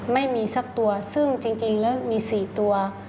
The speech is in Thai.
ไม่มีสักตัวซึ่งจริงแล้วมี๔ตัว